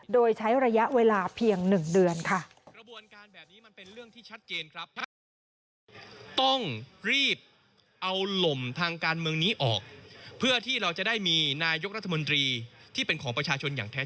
โดยใช้ระยะเวลาเพียง๑เดือนค่ะ